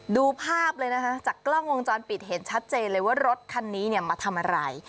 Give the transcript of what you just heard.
ดูภาพเลยนะคะจากกล้องวงจรปิดเห็นชัดเจนเลยว่ารถคันนี้เนี่ยมาทำอะไร